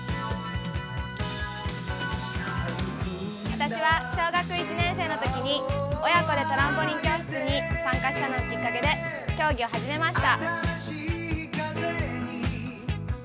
私は小学１年生の時に親子でトランポリン教室に通ったのがきっかけで競技を始めました。